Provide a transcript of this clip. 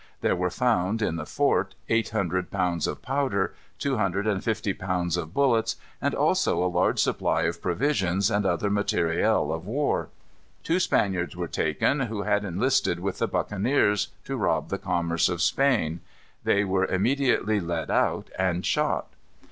There were found, in the fort, eight hundred pounds of powder, two hundred and fifty pounds of bullets, and also a large supply of provisions and other material of war. Two Spaniards were taken who had enlisted with the buccaneers, to rob the commerce of Spain. They were immediately led out and shot.